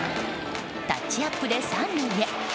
タッチアップで３塁へ。